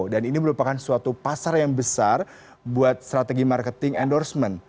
dan ini merupakan suatu pasar yang besar buat strategi marketing endorsement